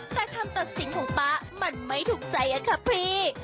แต่คำตัดสินของป๊ามันไม่ถูกใจอะค่ะพี่